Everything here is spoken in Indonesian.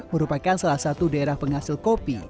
merupakan salah satu daerah penghasil kopi